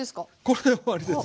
これで終わりです。